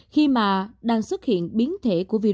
khi mà đang xuất hiện biến thể của virus